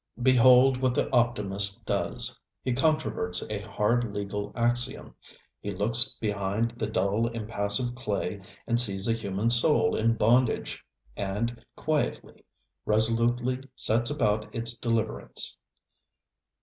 Behold what the optimist does. He controverts a hard legal axiom; he looks behind the dull impassive clay and sees a human soul in bondage, and quietly, resolutely sets about its deliverance.